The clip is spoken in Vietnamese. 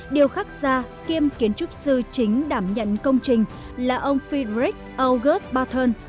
điều khác ra kiêm kiến trúc sư chính đảm nhận công trình là ông friedrich august barton